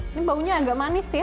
ini baunya agak manis ya